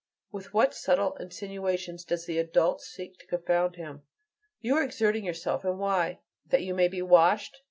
With what subtle insinuations does the adult seek to confound him! You are exerting yourself and why? That you may be washed?